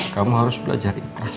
kamu harus belajar ikhlas